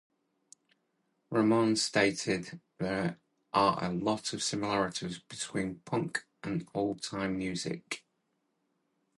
Ramone stated: There are a lot of similarities between punk and old-time music.